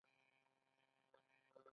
آیا په ښارونو کې ریل ګاډي نشته؟